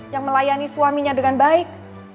yang melayani suaminya dengan baik